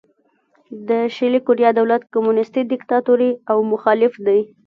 د شلي کوریا دولت کمونیستي دیکتاتوري او مخالف دی.